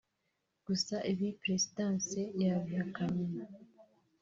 gusa ibi Perezidanse yabihakanye